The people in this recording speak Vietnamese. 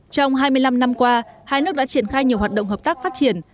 trong hai mươi năm năm qua hai nước đã triển khai nhiều hoạt động hợp tác phát triển